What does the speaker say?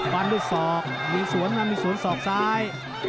ฟันด้วยศอกมีสวนนะมีสวนศอกซ้าย